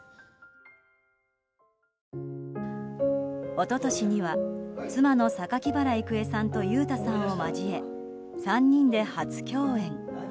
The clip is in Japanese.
一昨年には妻の榊原郁恵さんと裕太さんを交え３人で初共演。